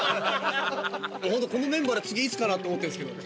本当このメンバーで次いつかな？って思ってるんですけど。